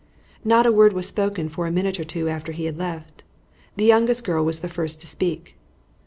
Not a word was spoken for a minute or two after he had left. The youngest girl was the first to speak.